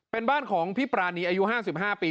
เป็นบ้านของพี่ปรานีอายุ๕๕ปี